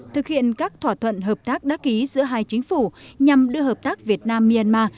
thực hiện các thỏa thuận hợp tác đắc ý giữa hai chính phủ nhằm đưa hợp tác việt nam myanmar